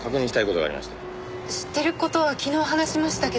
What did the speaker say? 知ってる事は昨日話しましたけど。